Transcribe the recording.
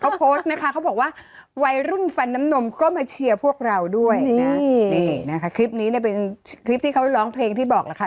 เขาโพสต์นะคะเขาบอกว่าวัยรุ่นฟันน้ำนมก็มาเชียร์พวกเราด้วยนะนี่นะคะคลิปนี้เนี่ยเป็นคลิปที่เขาร้องเพลงที่บอกล่ะค่ะ